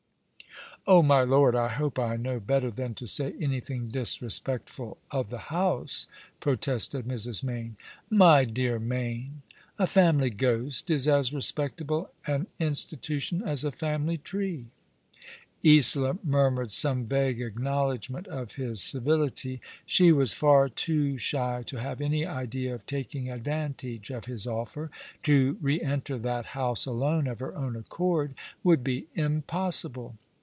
" Oh, my lord, I hope I know better than to say anything disrespectful of the house," protested Mrs. Mayne. " My dear Mayne, a family ghost is as respectable an in stitution as a family tree." Isola murmured some vague acknowledgment of his civility. She was far too shy to have any idea of taking advantage of his offer. To re enter that house alone of her own accord would be impossible.